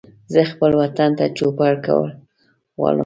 زه خپل وطن ته چوپړ کول غواړم